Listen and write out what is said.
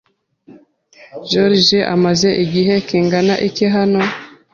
Joriji amaze igihe kingana iki hano?